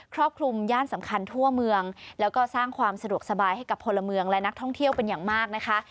รอบคลุมย่านสำคัญทั่วเมืองแล้วก็สร้างความสะดวกสบายให้กับพลเมืองและนักท่องเที่ยวเป็นอย่างมากนะคะ